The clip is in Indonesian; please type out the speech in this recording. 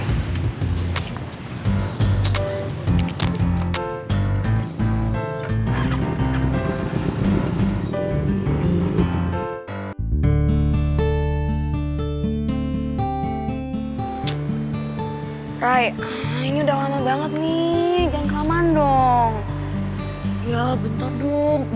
hai rai ini udah lama banget nih jangan kelaman dong ya bentar dulu